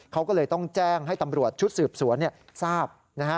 เขาก็เลยต้องแจ้งให้ตำรวจชุดสืบสวนทราบนะฮะ